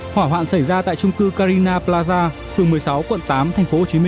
hỏa hoạn xảy ra tại trung cư carina plaza phường một mươi sáu quận tám tp hcm